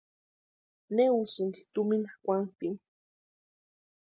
¿Né úsïnki tumina kwantpini?